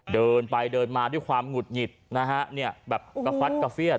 เดินไปเดินมาด้วยความหงุดหงิดนะฮะเนี่ยแบบกระฟัดกระเฟียด